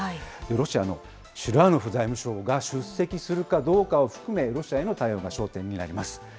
ロシアのシルアノフ財務相が出席するかどうかを含め、ロシアへの対応が焦点になります。